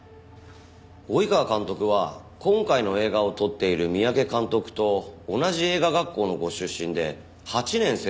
及川監督は今回の映画を撮っている三宅監督と同じ映画学校のご出身で８年先輩にあたるそうですね。